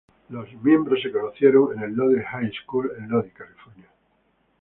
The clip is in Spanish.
Los miembros se conocieron en Lodi High School, en Lodi, California.